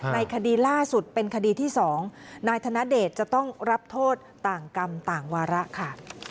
ในคดีล่าสุดเป็นคดีที่๒นายธนเดชจะต้องรับโทษต่างกรรมต่างวาระค่ะ